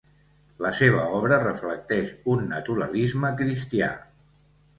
La seva obra reflecteix un naturalisme cristià.